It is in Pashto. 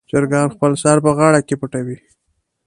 چرګان خپل سر په غاړه کې پټوي.